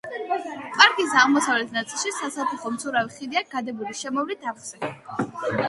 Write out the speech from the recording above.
პარკის აღმოსავლეთ ნაწილში, საცალფეხო მცურავი ხიდია გადებული შემოვლით არხზე.